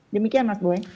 demikian mas bowen